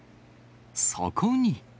そこに。